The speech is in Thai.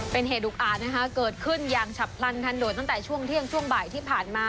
เป็นเหตุอุกอาจนะคะเกิดขึ้นอย่างฉับพลันทันโดดตั้งแต่ช่วงเที่ยงช่วงบ่ายที่ผ่านมา